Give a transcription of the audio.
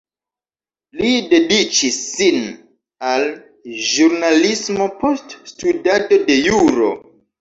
Li dediĉis sin al ĵurnalismo post studado de juro.